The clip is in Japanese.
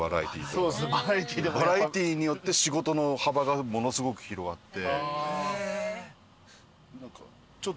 バラエティによって仕事の幅がものすごく広がって。